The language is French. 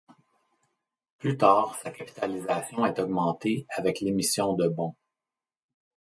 Plus tard, sa capitalisation est augmentée avec l'émission de bons.